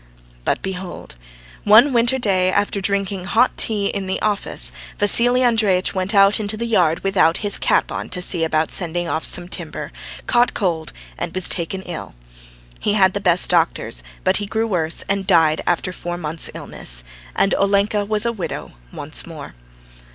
But behold! one winter day after drinking hot tea in the office, Vassily Andreitch went out into the yard without his cap on to see about sending off some timber, caught cold and was taken ill. He had the best doctors, but he grew worse and died after four months' illness. And Olenka was a widow once more.